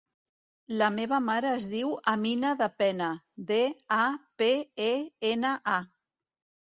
La meva mare es diu Amina Dapena: de, a, pe, e, ena, a.